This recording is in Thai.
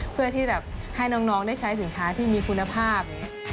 เพื่อที่จะให้น้องได้ใช้สินค้าที่มีคุณภาพ